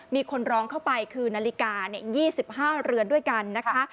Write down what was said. มีคนร้องเข้าไปคือนาฬิกา๒๕เรือนด้วยกันนะคะ